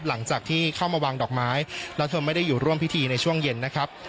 หลังจากที่เข้ามาวางดอกไม้แล้วเธอไม่ได้อยู่ร่วมพิธีในช่วงเย็นนะครับ